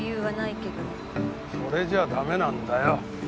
それじゃダメなんだよ。